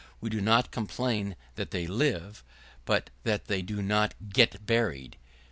We do not complain that they live, but that they do not get buried.